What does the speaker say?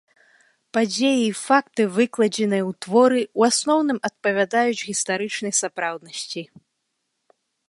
Падзеі і факты, выкладзеныя у творы, у асноўным, адпавядаюць гістарычнай сапраўднасці.